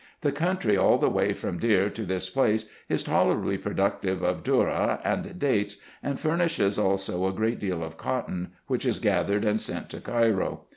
The country all the way from Deir to this place is tolerably productive of dhourra and dates, and furnishes also a great deal of cotton, which is gathered, and sent to Cairo.